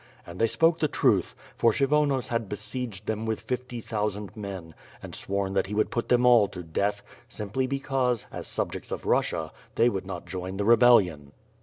And they spoke the truth, for Kshyvonos had be sieged them with fifty thousand men, and sworn that he would put them all to death, simply because, as subjects of Kussia, they would not join the rebellion.